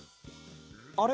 あれ？